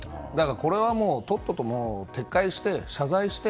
これはもうとっとと撤回して謝罪して。